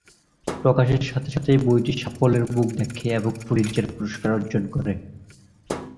প্রকাশের সাথে সাথেই বইটি সাফল্যের মুখ দেখে এবং পুলিৎজার পুরস্কার অর্জন করে।